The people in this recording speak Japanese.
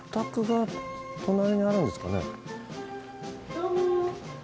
・どうも。